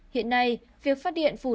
hiện nay việc phát hiện phủ tạng